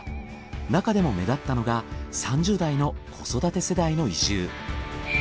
なかでも目立ったのが３０代の子育て世代の移住。